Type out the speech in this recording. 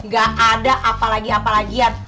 gak ada apa lagi apa lagian